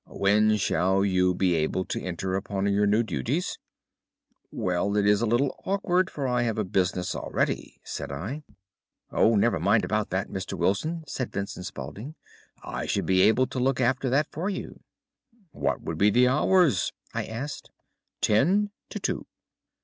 When shall you be able to enter upon your new duties?' "'Well, it is a little awkward, for I have a business already,' said I. "'Oh, never mind about that, Mr. Wilson!' said Vincent Spaulding. 'I should be able to look after that for you.' "'What would be the hours?' I asked. "'Ten to two.